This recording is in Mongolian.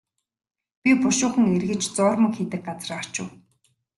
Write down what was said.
Би бушуухан эргэж зуурмаг хийдэг газраа очив.